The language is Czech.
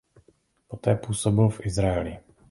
Poté působil v Izraeli.